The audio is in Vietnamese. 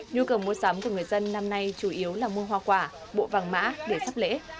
nhu cầu mua sắm của người dân năm nay chủ yếu là mua hoa quả bộ vàng mã để sắp lễ